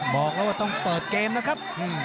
บอกแล้วว่าต้องเปิดเกมนะครับ